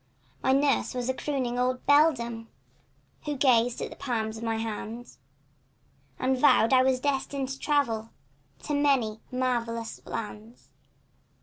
My nurse was a crooning old beldame Who gazed in the palms of my hands And vowed I was destined to travel In many and marvellous lands.